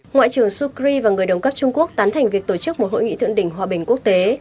ngoại trưởng sukri và người đồng cấp trung quốc tán thành việc tổ chức một hội nghị thượng đỉnh hòa bình quốc tế